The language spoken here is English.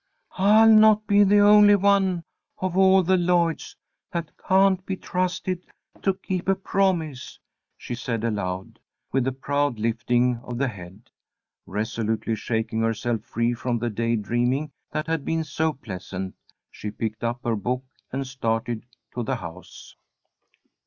"I'll not be the only one of all the Lloyds that can't be trusted to keep a promise," she said, aloud, with a proud lifting of the head. Resolutely shaking herself free from the day dreaming that had been so pleasant, she picked up her book and started to the house.